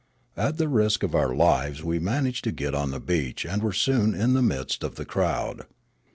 At the risk of our lives we managed to get on the beach and were soon in the midst of the crowd.